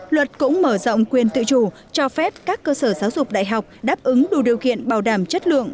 luật cũng mở rộng quyền tự chủ cho phép các cơ sở giáo dục đại học đáp ứng đủ điều kiện bảo đảm chất lượng